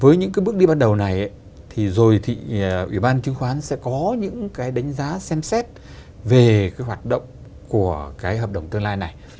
với những cái bước đi ban đầu này thì rồi thì ủy ban chứng khoán sẽ có những cái đánh giá xem xét về cái hoạt động của cái hợp đồng tương lai này